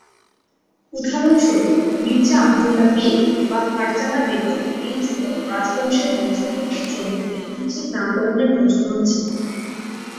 উদাহরণস্বরূপ: মির্জা আবদুল্লাহ বেগ বা ফারজানা বেগম এই মুগল রাজবংশের বংশধরদের জন্য ঐতিহাসিক নামকরণের প্রচলন ছিল।